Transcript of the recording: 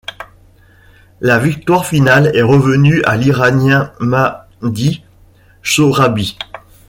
La victoire finale est revenue à l'Iranien Mahdi Sohrabi.